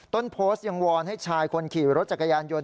ต้นโพสต์ยังวอนให้ชายคนขี่รถจักรยานยนต